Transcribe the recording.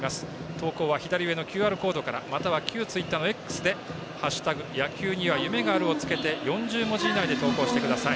投稿は左上のＱＲコードからまたは旧ツイッターのＸで「＃野球には夢がある」をつけて４０文字以内で投稿してください。